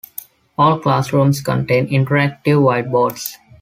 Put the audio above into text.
All classrooms contain interactive whiteboards.